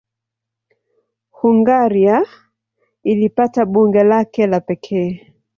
Hungaria ilipata bunge lake la pekee.